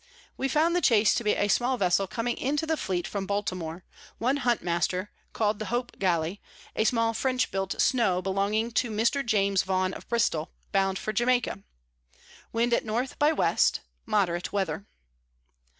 We found the Chase to be a small Vessel coming into the Fleet from Baltimore, one Hunt Master, call'd the Hope Gally, a small French built Snow belonging to Mr. James Vaughan of Bristol, bound for Jamaica. Wind at N by W. Moderate Weather.